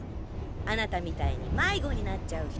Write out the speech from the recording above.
あなたみたいに迷子になっちゃう人。